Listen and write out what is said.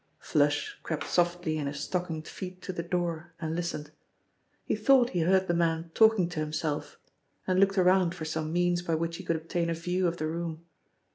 'Flush' crept softly in his stockinged feet to the door and listened. He thought he heard the man talking to himself and looked around for some means by which he could obtain a view of the room.